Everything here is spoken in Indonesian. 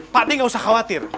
pade nggak usah khawatir